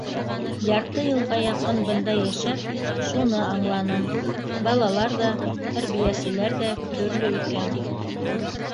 Ярты йылға яҡын бында йәшәп, шуны аңланым: балалар ҙа, тәрбиәселәр ҙә төрлө икән.